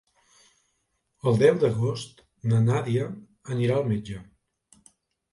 El deu d'agost na Nàdia anirà al metge.